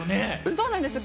そうなんですよ。